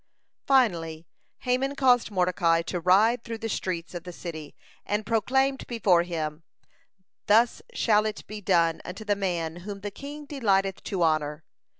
(170) Finally, Haman caused Mordecai to ride through the streets of the city, and proclaimed before him: "Thus shall it be done unto the man whom the king delighteth to honor."